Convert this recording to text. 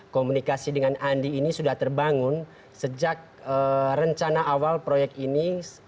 komunikasi dengan andi ini sudah terbangun sejak rencana awal proyek ini